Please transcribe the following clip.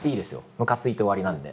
むかついて終わりなんで。